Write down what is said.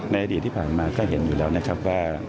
อดีตที่ผ่านมาก็เห็นอยู่แล้วนะครับว่า